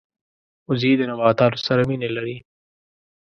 وزې د نباتاتو سره مینه لري